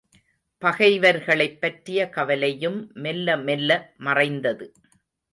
பகைவர்களைப் பற்றிய கவலையும் மெல்ல மெல்ல மறைந்தது.